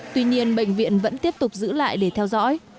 tuy nhiên bệnh viện vẫn tiếp tục giữ lại để theo dõi